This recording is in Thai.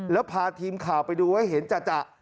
แล้วพาทีมข่าวไปดูให้เห็นจ่ะ